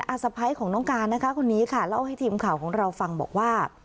สะพ้ายของน้องการนะคะคนนี้ค่ะเล่าให้ทีมข่าวของเราฟังบอกว่า